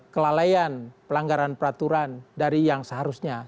kelalaian pelanggaran peraturan dari yang seharusnya